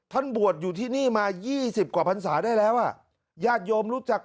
บวชอยู่ที่นี่มายี่สิบกว่าพันศาได้แล้วอ่ะญาติโยมรู้จัก